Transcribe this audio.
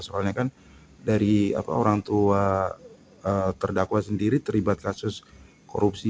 soalnya kan dari orang tua terdakwa sendiri terlibat kasus korupsi